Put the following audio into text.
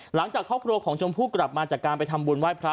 หลังจากครอบครัวของชมพู่กลับมาจากการไปทำบุญไหว้พระ